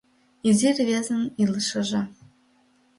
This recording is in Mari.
Изи рвезын илышыже -